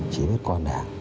chỉ biết còn đảng